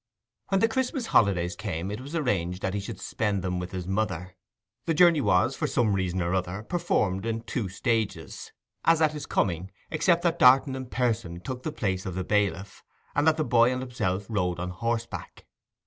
When the Christmas holidays came it was arranged that he should spend them with his mother. The journey was, for some reason or other, performed in two stages, as at his coming, except that Darton in person took the place of the bailiff, and that the boy and himself rode on horseback.